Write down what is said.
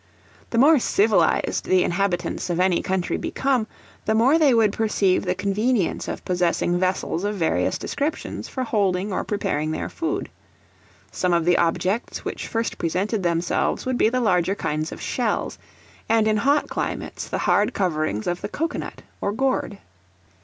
The more civilized the inhabitants of any country became, the more they would perceive the convenience of possessing vessels of various descriptions for holding or preparing their food; some of the objects which first presented themselves would be the larger kinds of shells; and, in hot climates, the hard coverings of the cocoa nut or gourd.